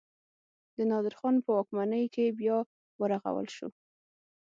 د نادر خان په واکمنۍ کې بیا ورغول شو.